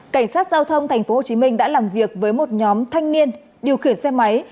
cảnh sát giao thông tp hcm đã làm việc với một nhóm thanh niên điều khiển xe máy